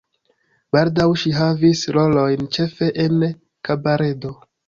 Baldaŭ ŝi havis rolojn ĉefe en kabaredo.